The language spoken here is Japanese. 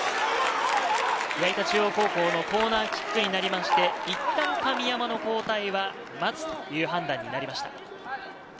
矢板中央高校のコーナーキックになりまして、いったん神山の交代は待つという判断になりました。